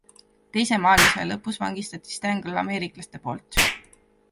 Teise maailmasõja lõpus vangitati Stangl ameeriklaste poolt.